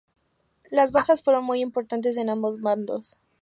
Las bajas fueron muy importantes en ambos bandos.